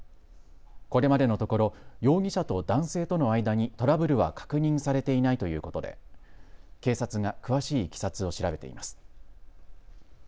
これまでのところ容疑者と男性との間にトラブルは確認されていないということで警察が詳しいいきさつを調べています。